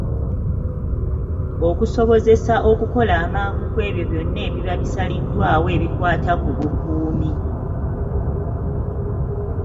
Okusobozesa okukola amangu ku ebyo byonna ebiba bisaliddwawo ebikwata ku bukuumi.